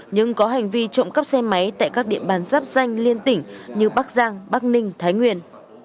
nhưng có hành vi trộm cắp xe máy tại các địa bàn giáp danh liên tỉnh như bắc giang bắc ninh thái nguyên